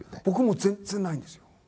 僕も全然ないんですよ。